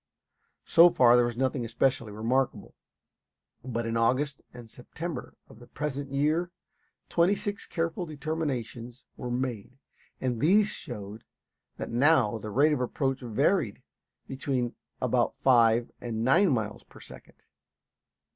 So far there was nothing especially remarkable. But in August and September of the present year twenty six careful determinations were made, and these showed that now the rate of approach varied between about five and nine miles per second.